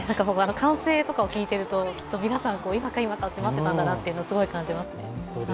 歓声とかを聞いてると、皆さん今か今かと待ってたんだなと感じますね。